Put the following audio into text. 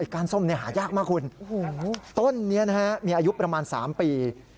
ก้านส้มหายากมากคุณต้นนี้มีอายุประมาณ๓ปี